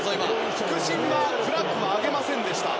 副審はフラッグを上げませんでした。